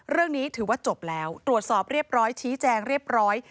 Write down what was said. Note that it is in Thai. เรื่องนี้ถือว่าจบแล้วตรวจสอบเรียบร้อยชี้แจงเรียบร้อย